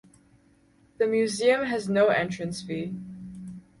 The museum has no entrance fee.